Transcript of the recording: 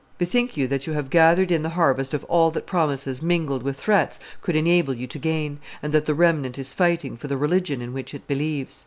Bethink you that you have gathered in the harvest of all that promises mingled with threats could enable you to gain, and that the remnant is fighting for the religion in which it believes.